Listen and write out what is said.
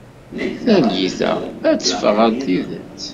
Targit-a ad teffeɣ ɣer tidet.